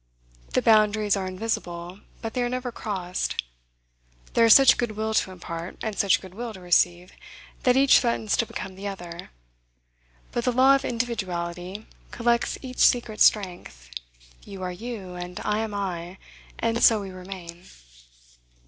The boundaries are invisible, but they are never crossed. There is such good will to impart, and such good will to receive, that each threatens to become the other; but the law of individuality collects its secret strength: you are you, and I am I, and so we remain.